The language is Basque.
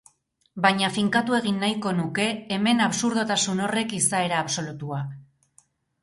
Baina finkatu egin nahiko nuke hemen absurdotasun horren izaera absolutua.